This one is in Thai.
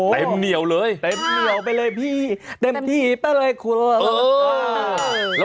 เต็มเหนียวเลยค่ะ